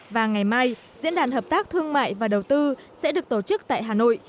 và ngày mai diễn đàn hợp tác thương mại và đầu tư sẽ được tổ chức tại hà nội